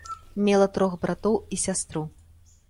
Мела трох братоў і сястру.